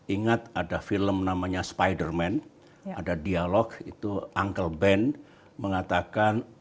ingat ada film namanya spider man ada dialog itu ankle band mengatakan